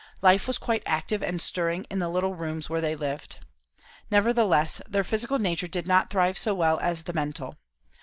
Life was quite active and stirring in the little rooms where they lived. Nevertheless, their physical nature did not thrive so well as the mental.